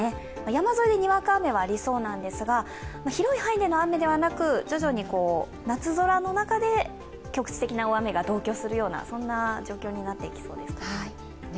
山沿いはにわか雨がありそうですが広い範囲での雨ではなく徐々に夏空の中で局地的な大雨が同居するような状況になっていきそうです。